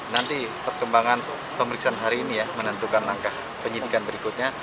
nanti perkembangan pemeriksaan hari ini ya menentukan langkah penyidikan berikutnya